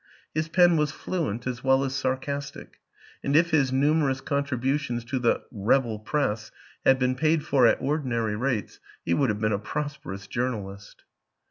His pen was fluent as well as sarcastic, and if his numerous con tributions to the " rebel " press had been paid for at ordinary rates he would have been a prosperous journalist.